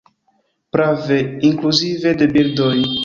Prave, inkluzive de birdoj.